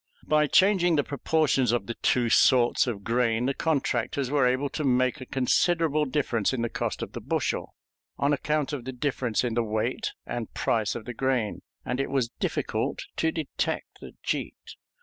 By changing the proportions of the two sorts of grain, the contractors were able to make a considerable difference in the cost of the bushel, on account of the difference in the weight and price of the grain, and it was difficult to detect the cheat.